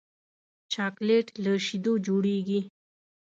چاکلېټ له شیدو جوړېږي.